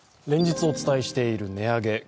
連日お伝えしている値上げ。